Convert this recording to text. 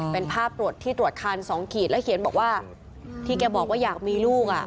เป็นภาพตรวจที่ตรวจคัน๒ขีดแล้วเขียนบอกว่าที่แกบอกว่าอยากมีลูกอ่ะ